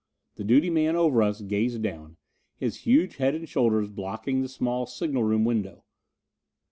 The duty man over us gazed down, his huge head and shoulders blocking the small signal room window.